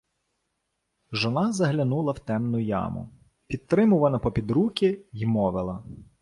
Жона заглянула в темну яму, підтримувана попід руки, й мовила: